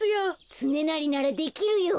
つねなりならできるよ。